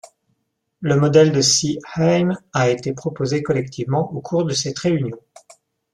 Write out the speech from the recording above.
Le modèle de Seeheim a été proposé collectivement au cours de cette réunion.